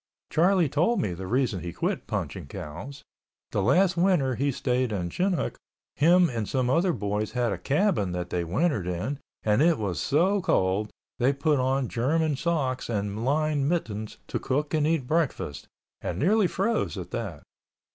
Charlie told me the reason he quit punching cows. The last winter he stayed in Chinook him and some other boys had a cabin that they wintered in and it was so cold they put on German socks and lined mittens to cook and eat breakfast, and nearly froze at that.